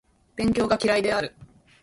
勉強が嫌いである